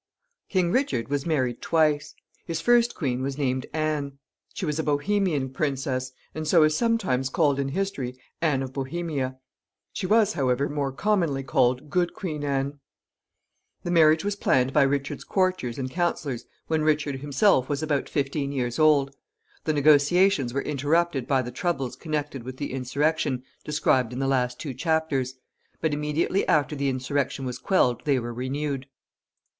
King Richard was married twice. His first queen was named Anne. She was a Bohemian princess, and so is sometimes called in history Anne of Bohemia. She was, however, more commonly called Good Queen Anne. The marriage was planned by Richard's courtiers and counselors when Richard himself was about fifteen years old. The negotiations were interrupted by the troubles connected with the insurrection described in the two last chapters; but immediately after the insurrection was quelled they were renewed.